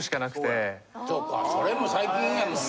そうかそれも最近やもん。